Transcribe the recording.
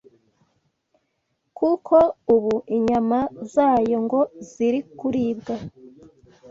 kuko ubu inyama zayo ngo ziri kuribwa